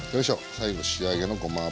最後仕上げのごま油。